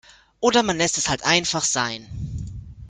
Oder man lässt es halt einfach sein.